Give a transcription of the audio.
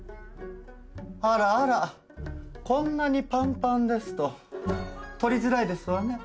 あらあらこんなにパンパンですと取りづらいですわね。